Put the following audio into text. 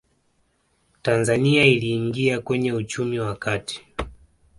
tanzania iliingia kwenye uchumi wa kati